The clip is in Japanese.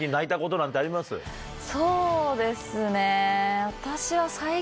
そうですね私は。